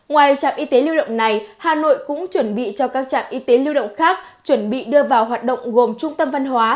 ngoài trạm y tế lưu động này hà nội cũng chuẩn bị cho các trạm y tế lưu động khác chuẩn bị đưa vào hoạt động gồm trung tâm văn hóa